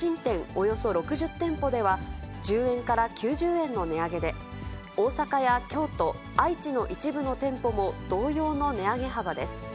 およそ６０店舗では、１０円から９０円の値上げで、大阪や京都、愛知の一部の店舗も同様の値上げ幅です。